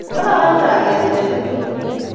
Kararan kalyet eng' iman.